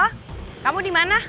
halo kamu dimana